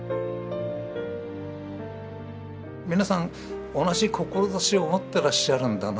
皆さん同じ志を持ってらっしゃるんだなと。